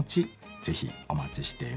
ぜひお待ちしています。